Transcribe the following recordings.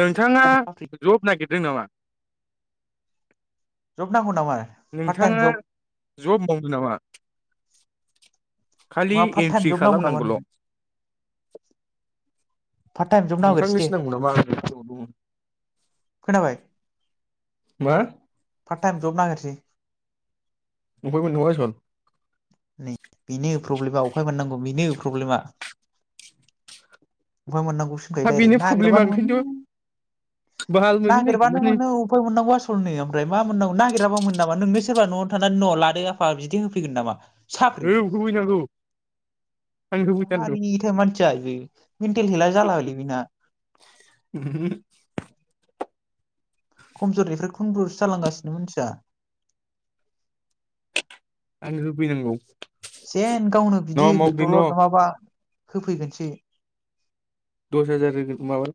नोंथाङा जब नागिरदों नामा नांगौ नामा पार्ट टाइम नोंथाङा जब जब मावदों नामा खालि नङा पार्ट टाइम एन्ट्रि जब नांगौ नामा खालामनांगौल नोंनो पार्ट टाइम जब नागिरसै नोंथांनि दे सि नांगौ नामा आंनि सिगाङाव बुं खोनाबाय मा पार्ट टाइम जब नागिरसै अभाय मोन्नांगौ आसल बेनि प्रब्लेमा अफाय मोनाननांगौ बेनि प्रब्लेमा उफाय मोननांगौसिनिफ्राय हा डाइरेक् बेनो प्रब्लेमा नागिरबानो मोनो ओंखायनोथ' बाहाल मोननो नागिरबानो मोनो उफाय मोननांगौ आल ओमफ्राय मा मोननांगौ नागिराबा मोनो नामा नोंनो सोरबा नआव थानानै न लादो आफा बिदि होफैगोन नामा साख्रि औ होफैनांगौ आं होफैथारगौ जालि थार मानसिया बियो, मेन्टेल हेल्था जालालै बेना खमजरनिफ्राय खमजरसो जालांगासिनो मानसिया आंनो होफैनांगौ जेन गावनो न' बिदि मावदो न' दलद नङाबा होफैगोनसो दस हाजार माबा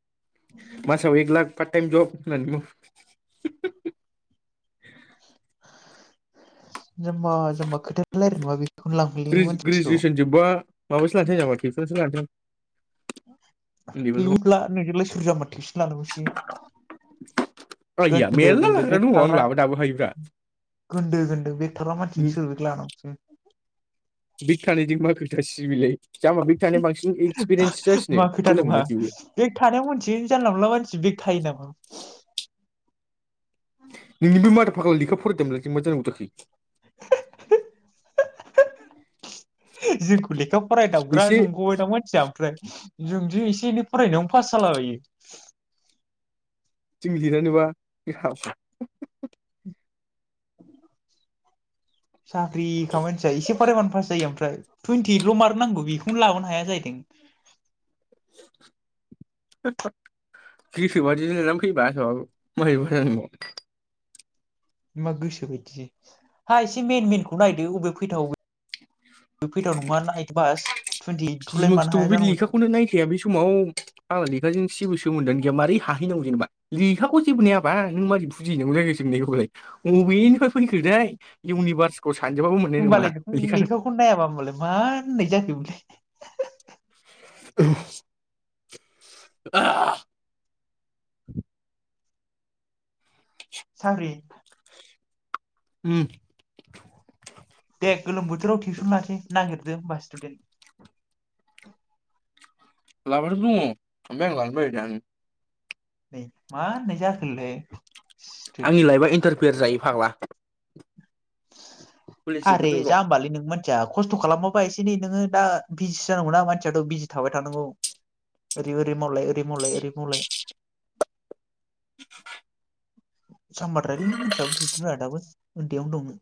मासाव एक लाख पार्टाइम जब होनानै माव जामबा जामबा खोथा [unintelligible] ग्रेजु मानसिखौ ग्रेजुवेसन जोबबा माबासो लानोसै नामा टिउसन सो लानोसां लुबब्ला नोंजोंलाय सोर जामबा थेसिन लानांगसै आइया गोनदो मेरला गोनदो लाग्रा बे दङ आं खाग्रा लाबो दाबो हायोब्रा गोनदो गोनदो बे थाग्रा मानसिजों सोर लानांगसै बेक थानायजों मा खोथा सिबिलाय जासिनो मा खोथा खेला नङा मोनाखै बे बेग थानायाव मोनसे जानला मोनला मानसिया बेग थायो नामा औ नोंनि बे माथा फाग्लाखौ लेखा फरायदों मोनाखै मा जानांगौ जाखो जोंखौ लेखा फरायदाबग्रा एसे नंगौबाय दा मानसिया ओमफ्राय जोंदि एसे एनै फरायनायावनो पास जालाबायो जों लिरानोबा [unintelligible] साख्रि खामानिथिया एसे फरायबानो पास जायो ओमफ्राय टुइन्टि इटल मार्क नांगौ बेखौनो लाबोनो हाया जाहैदों [unintelligible] मां गोसो बायदि हा एसे मेन मेनखौ नायदो अबे फैथाव जुपिटार नङा [unintelligible] जि ओइटखौलाय मानो मसिथ हाया बे जानांगौ लेखाखौनो नायखाया बे समाव फाग्ला लेखाजों जेबो सोमोन्दोआनो गैया मारै हाहैनांगौ जेनेबा लेखाखौ जेबोनायाबा नों माबोरै बुजिहैनांगौ जाखो सोंलाय बबेनिफ्राय फैखो दैै इउनिभार्स होमबालाय नों लेखाखौ नायाबा होमबालाय मा होननाय जाखोबोलै [inaudible] आ साग्रि ओम गोलोम बोथोराव टिउसन लासै नागिरदो दे होमबा इसटुदेन लाबाथ' दङ आमफ्राय आं लानो बायो [unintelligible] नै मा होननाय जाखोलै सिथो आंनि लाइफआ इन्टार बेेर जायो फाग्ला [unintelligible] खुलिजोबो आरे जों र' जाम्बालै नों मोनसिया खस्थ खालामाबा एसे एनै नोङो दा बिजिसो जानांगौ ना मानसियाथ बिजि थाबाय थानांगौ ओरै ओरै मावलाय ओरै मावलाय ओरै मावलाय [unintelligible] जामबाद्रायलै नों मानसिया बुजिनो रोङा दाबो उन्दैयावनो दंमोन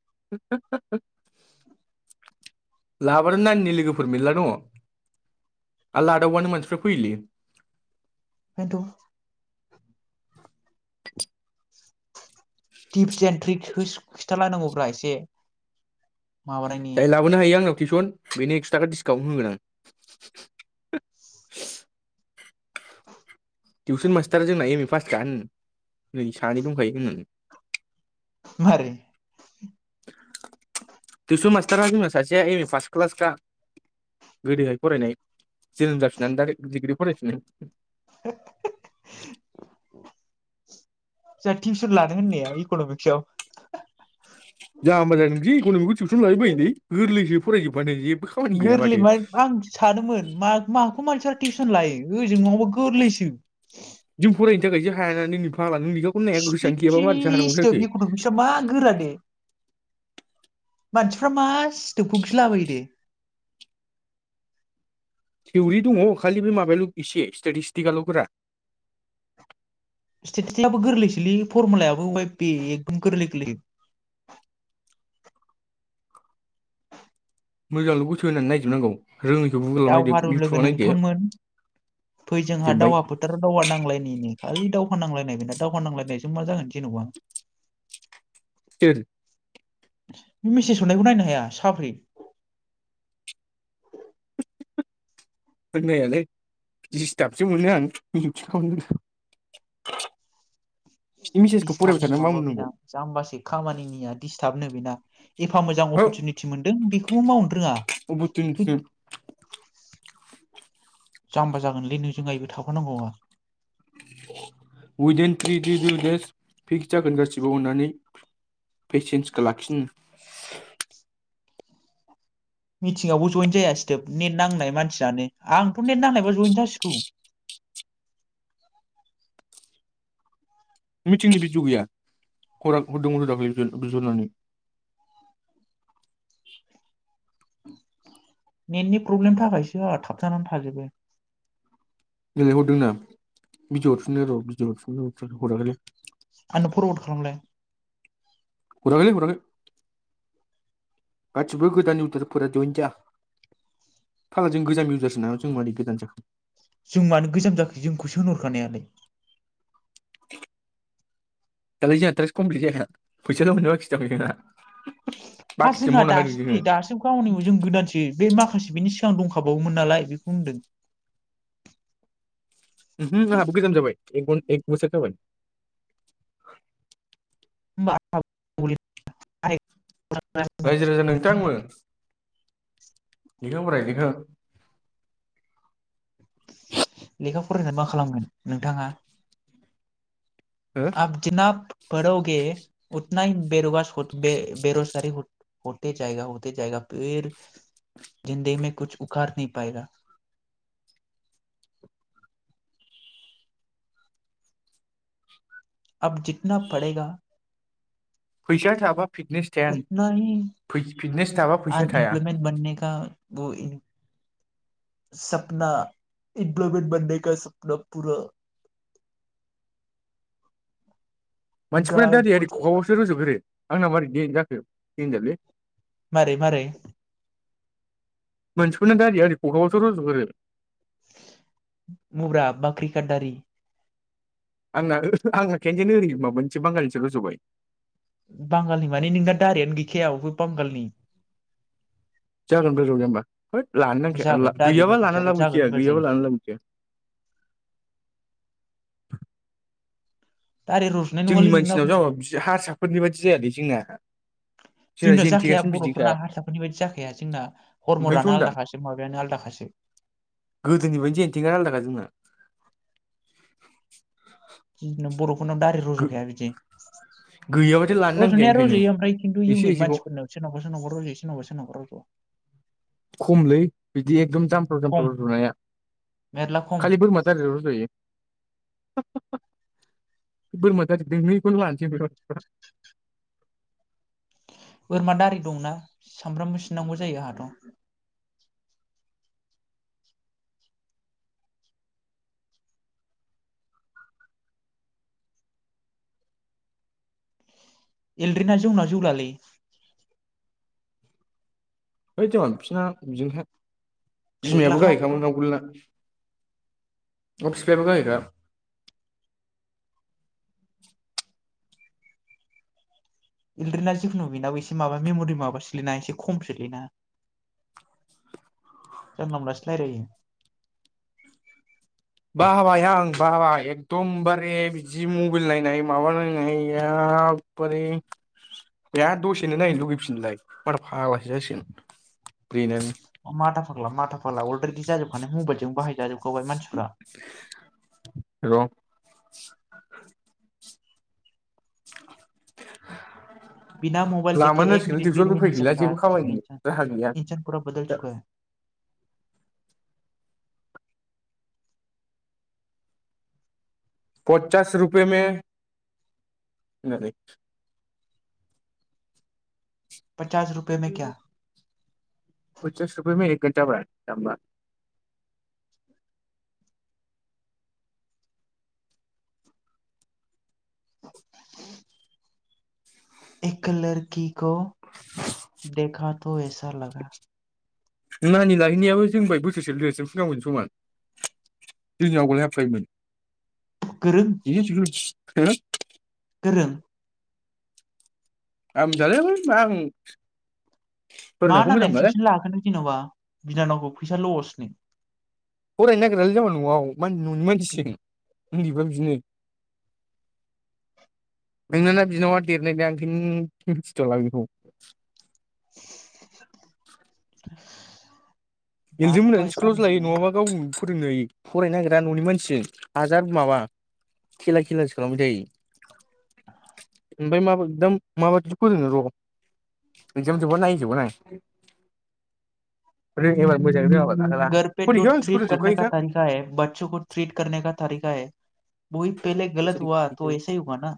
[unintelligible] लाबोदो नाननि लोगोफोर मेला आर लादावबानो मोनसिफ्रा फैयोलै। बेनथ टिप्स एन्ड ट्रिक्सखौ खिथाालायनांगौब्रा एसे। माबानायनि जाय लाबोनो हायो आंनो टिउसन बेनि एक्सट्रा डिसकाउन्ट होगोन आं। टिउसन मास्टारा जोंना एम ए पास खा होन नै सानै दंखायो होनानै मारै [unintelligible] टिउसन मास्टारा जोंना सासेया एम ए फार्स्ट क्लासखा गोदोहाय फरायनाय जोनोम जाफिननानै दा डिग्रि फरायफिननाय। [unintelligible] जा टिउसन लानो होननाया इकनमिक्साव। इकनमिक्सखौनो टिउसन लायो बायो लै गोरलैसो फरायजोबबानो जेब गोरलै मान आं सानोमोन मा - माखौ मानसिया टिउसन लायो ओजों नङाबा गोरलैसो। जों फरायिनि थाखायसो जों हायाना नोंनि फाग्ला नों लेखाखौनो नाया गोसोआनो गैयाबा मारैथो हानांगौ जाखो [unintelligible] मा गोरा दे। मानसिफ्रा मा [unintelligible] गिलाबायो दे। थिउरि दङ खालि बे माबायाल इसे स्टेटिस्टिकाल गोरा। स्टेटिस्टिकालाबो गोरलैसोलै फरमुलायाबो वाय बे एकदम गोरलै गोरलै। मोजांल गोसो होनानै नायजोबनांगौ। रोङैखौ गुगोलाव नायदो दावहारु लोगो इउटुबाव नायदो नोंथांमोन फै जोंहा जोब्बाय दावहा फोथाराव दावहा नांलायनिनो। खालि दावहा नांलायनाय बेना दावहा नांलायनायजों मा जागोन जेनबा। सोर मेसेज हरनायखौ नायनो हाया साफ्रि। [unintelligible] होननायालाय दिस्टापसो मोनो आं मिउथसो खालामना दिस्थाबनो माबा बेना जाम्बासो खामानिनिया दिस्थाबनो बेना। एफा मोजां हो अपसुनिटि मोनदों बेखौबो मावनो रोङा। अपरसुनिटि जाम्बा जागोनलै नोंजों आयबो थाफानांगौबा। उइदिन थ्रि डिबौ डेस फिक्स जागोन जाासिबो अननानै पेसेन्सखौ लाखिनो मिटिंआवबो जयन जाया [unintelligible] नेट नांनाय मानसियानो आंथ नेट नांनायबा जयन जासिगौ। मिथिंनि बिडिअ गैया। नेटनि प्रब्लेम थाखायसो आंहा थाबथानानै थाजोबो। गेलेहरदों दा बिडिअ हरफिननो र बिदिअ हरफिनदों ना हरफिनाखै हराखैलै। आंनो फरवारड खालामलाय। हराखैलै हराखै। गासिबो गोदान इउटारफोरा जयेन जा। जों मानो गोजाम जाखो जोंखौसो होनहरखानायालाय। दालाय जोंहा थ्रास कमप्लिट जायाखै फैसााल मोन्नो बाखि दं जोंहा। हा बाखिखौ जोंहा मावना होदों दासोम जोङो नै दासिम गावनिबो नै जों गोदानसो बे माखासे बेनि [unintelligible] दंखाबावोमोन नालाय बेखौ होनदों। ओमहु आंहाबो गोजाम जाबाय। [unintelligible] एक बसर जागोन [unintelligible] रायजो राजा नोंथांमोन [inaudible] लेखा फराय लेखा [inaudible] लेखा फरायनानै मा खालामगोन नोंथाङा हो आब जोनाब पोरोगे उथना हि बेेर [unintelligible] खथ बे बेरस हते जायग हते जायगा फिर जन्दोगि में फिर कुछ उखार नहि पायगा ओब जितना पडेगा फैसाया थायाबा फिटनेस थाया उतना ही फिटनेस थायाबा फैसा थाया अनएम्प्लॉयमेंट बनने का सपना इमप्लइमेन्ट बननेका सपना पुरा मानसिफोरा दाआरि खखाबावसो रजुग्रोयो आंना मारै गेन जाखो देनजारलै मारै मारै मोनसिखौनो गारि ओरि फखाबावस रुजग्रो मब्रा बाख्रिकादारि आंना आंना खेनजनो ओरै माबा मोनसे बांगाललिसो रजबाय बांगालनि माने नों दा दारियानो गैखायाबो अबे बांगालनि जागोन गोजाव ज हबा है लानो नांखाया जागोन दारि गैयाबा लानानै रज'खायाबा लाब जागोन गैखाया होनबा गैयाबा जायो लानानै लाबोखया दारि रज'नाय जोंनि नङालै नोंना मानसिनाव ज हारसाफोरनि बादि जायादै जोंना जोंना जेन जाखाया थेगासिनो बिदिखा बरफोरना हारसाफोरनि बायदि जाखाया जोंना ओंखायनोथ' हरमरानो होनदां आलादाखासो माबायानो आलदाखासो गोदोनि बायदि जेनथेंआ आलादाखा जोंना [inaudible] [unintelligible] बरफ उनाव दारि रज उमखाया बिदि गैयाबाथाय लानो नांखाया रजनाया ओंखायनो रजयो ओमफ्राय खिन्थु एसे इउनिक एसेखौ मानसिफोरनाव सोरनावबा सोरनावबर रजयो सोरनावबा सोरनावबा रज आ खमलै बिदि एकदम जामफ्राव खम जामफ्राव रजनाया मेरला खम खालि बोरमा दारिल' रजयो बोरमा दारि दोंनैखौनो लानोसै बोरमा दारि दंना सामब्रामबोसिनांगौ जायो आंहाथ एलरि ना जौना जौलालै ओइ जौमान बिसना बिदिनोखा बिमायाबो फेख्लाख्ला गाहायखामोन आवगोलना अ फिफायाबो गाहायखा इलद्रेना जिखुनु बेनाबो एसे माबा मेमरि माबा सोलिना एसे खम सोलिना जानला मोनलासो रायलायो बाबाय आं बाबाय एकदमबारे बिदि मबिइल नायनाय माबा नायनाय एकबारे बिराद दसेनो नायनो लुगैफिनोलाय माथा फाग्लासो जासिगोन ब्रेनानो माथा फाग्ला माथा फा फाला अलरिदि जाजोबखानाय मबाइलजों बाहाय जाजोब गबाय मानसिफ्रा [unintelligible] [unintelligible] [unintelligible] बिना मबाइल देखे लामानो एक नांसिगोन मिनिट बि टिउसन रह उफाय गैला सकता जेबो आजकल खामायनो इन्सान राहा गैया इन्सान फुरा बदल चुका पचास रुपे मे [unintelligible] पचास रुपए में क्या पस रुपे मे एक घ जाबाय जामबा [inaudible] एक लरकि को देखा तो ऐसा लागा नानि लाहैनायाबो जोंनिफाय बोसोरसेल' देरसिन फुंखामोनजों समान जोंजों आवगोल हाबफायोमोन गोरों [unintelligible] [unintelligible] गोरों आं मिनथियालै मा आं मा फरायनायखौ मोजां नांनायनि मोनालै टिबसन लाहोखो नों जेन'बा बिनानावखौ फैसा लसनि फरायनो नागिरालै जामबा न'आव मा होनो न'नि मानसिजों उन्दैफ्रा बिदिनो, नोंना ना बिनानावआ देरनाय ना ओंखायनो मिनथिथ'आलां बेखौ [inaudible] [unintelligible] गेलदिं बात तो मोनहानो ऐसा स्कुलावसो लायो नहीं है नङाबा गाव फोरोंनो हायो फरायनो नागिरा ननि मानसिजों हाजार माबा खेला खेलासो खालामबाय थायो ओमफ्राय माब एकद माबादि फोरोङो र' एगजाम जोबबा नायजोबगोन आं [unintelligible] घर पे जो फरिखायाव आं ट्रिट स्कुलाव करने का जोबखायोखा तरिका है बच्छों को ट्रिट कनने का तरिका है वही पेहेले गलत हुआ तो ऐसा हि होगा ना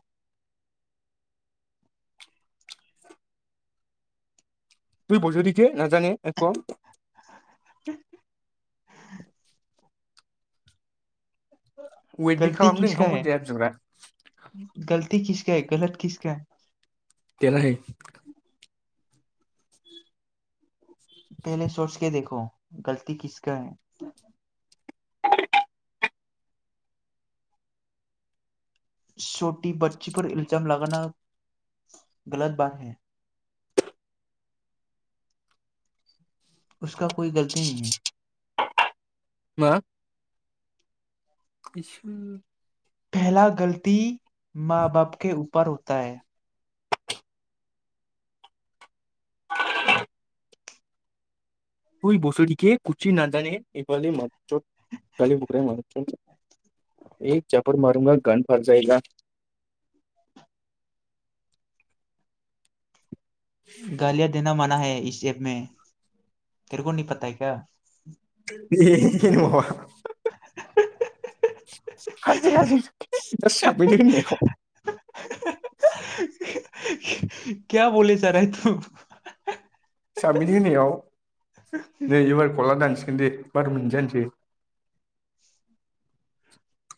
[unintelligible] [unintelligible] वेटगि गलति खालामनो ओंखाम किसका है खनजाया बिग्रा गलति किस [unintelligible] गलत किसका तेरा है पेहेले चसके देख गलती किसका है छटि बच्छी पर इलजाम लगाना गलत बाद है उसका कय गलती नही है मा इसोर पेहेला गोलती मा बप के फोर हता है ओइ बसरिके कुचि नाजाने ए गालि मादारसथ गलि बख राहा है मादारसथ ए जापर मारगा गान फातजायेगा [unintelligible] गालिया देना मा [unintelligible] ना [unintelligible] तेरेक' निहि पाता हैं क्या [unintelligible] हाजें हाजि साबैनो होननायाव [unintelligible] क्या बले जा राहा है थु साबमिट होनायाव नै एबार कला दानसै दोनदो बार' मिनिट जानोसै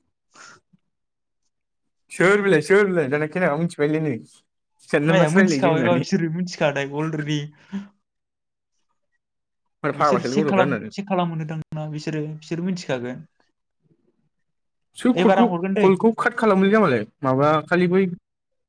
[inaudible] सोर बिलाय सोर बिलाय दाना खोनानानै मिथिबालाय नो माया मिथिखाबायबा बिसोरो मिथिखानाय अलरेडि मार बिसोर फाग्लासोलै चेक गथ'फ्रा खालाम होननानै चेक खालामहो दां ना बिसोरो बिसोर मिथिख जागोन सोर कलखौ कलखौ काट खालामालै जाम्बालाय माबा खालि बै